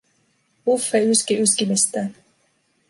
Uffe yski yskimistään.